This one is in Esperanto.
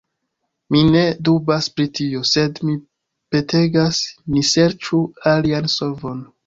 Mi ne dubas pri tio, sed, mi petegas, ni serĉu alian solvon.